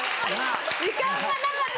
時間がなかった。